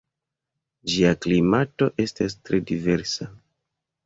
Ĝia klimato estas tre diversa.